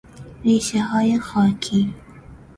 ریشه های خاکی